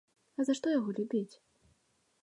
А за што яго любіць?